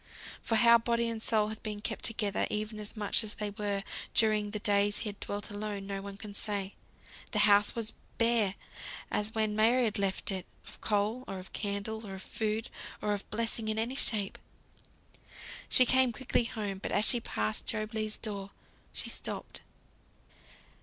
For how body and soul had been kept together, even as much as they were, during the days he had dwelt alone, no one can say. The house was bare as when Mary had left it, of coal, or of candle, of food, or of blessing in any shape. She came quickly home; but as she passed Job Legh's door, she stopped.